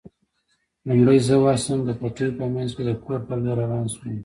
لومړی زه ورشم، د پټیو په منځ کې د کور په لور روان شوم.